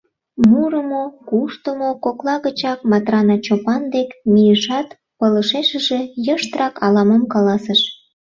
Мурымо-куштымо кокла гычак Матрана Чопан дек мийышат, пылышешыже йыштрак ала-мом каласыш.